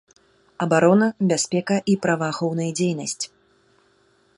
Абарона, бяспека і праваахоўная дзейнасць.